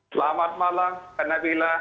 selamat malam pernah bila